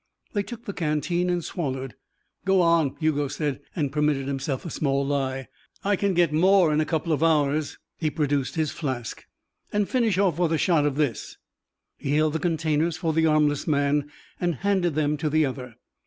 They took the canteen and swallowed. "Go on," Hugo said, and permitted himself a small lie. "I can get more in a couple of hours." He produced his flask. "And finish off on a shot of this." He held the containers for the armless man and handed them to the other.